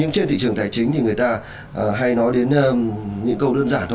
nhưng trên thị trường tài chính thì người ta hay nói đến những câu đơn giản thôi